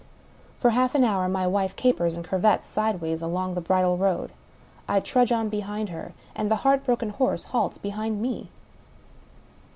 For half an hour my wife capers and curvets sideways along the bridle road. I trudge on behind her; and the heartbroken horse halts behind me.